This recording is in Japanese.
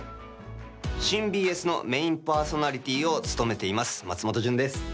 新ＢＳのメインパーソナリティーを務めています、松本潤です。